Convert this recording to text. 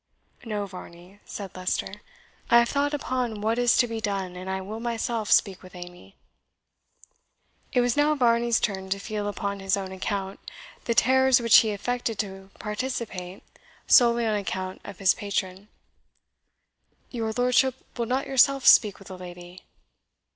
"No, Varney," said Leicester; "I have thought upon what is to be done, and I will myself speak with Amy." It was now Varney's turn to feel upon his own account the terrors which he affected to participate solely on account of his patron. "Your lordship will not yourself speak with the lady?"